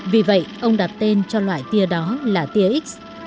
vì vậy ông đặt tên cho loại tia đó là tia x